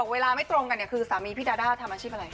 เวลาไม่ตรงกันเนี่ยคือสามีพี่ดาด้าทำอาชีพอะไรค